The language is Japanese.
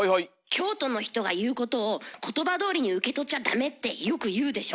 京都の人が言うことを言葉どおりに受け取っちゃダメってよくいうでしょ？